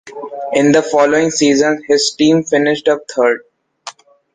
In the following season, his team finished up third.